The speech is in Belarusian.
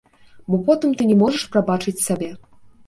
Бо потым ты не можаш прабачыць сабе.